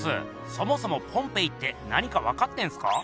そもそもポンペイって何か分かってんすか？